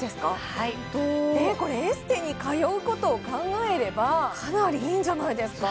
はいこれエステに通うことを考えればかなりいいんじゃないですか？